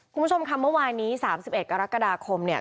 คุณผู้ชมคำเมื่อวานนี้สามสิบเอ็ดกรกฎาคมเนี่ย